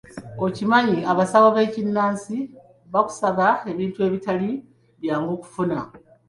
Okimanyi abasawo b'ekinnansi bakusaba ebintu ebitali byangu kufuna.